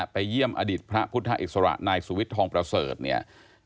ไปเยี่ยมอดีตพระพุทธอิสระนายสุวิทย์ทองประเสริฐเนี่ย